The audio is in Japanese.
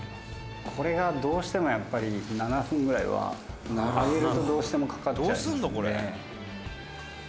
「これがどうしてもやっぱり７分ぐらいは揚げるとどうしてもかかっちゃいますね」